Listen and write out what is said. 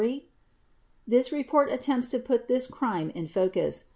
3 This report attempts to put this crime in focus.